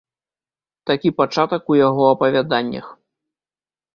Такі пачатак у яго апавяданнях.